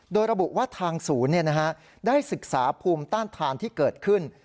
โดยระบุว่าทางศูนย์ได้ศึกษาภูมิต้านทานที่เกิดขึ้น